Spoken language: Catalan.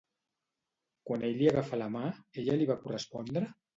Quan ell li agafà la mà ella li va correspondre?